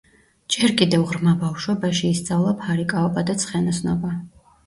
ჯერ კიდევ ღრმა ბავშვობაში ისწავლა ფარიკაობა და ცხენოსნობა.